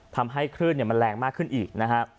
ทำให้คลื่นมันแรงมากขึ้นอีกนะฮะ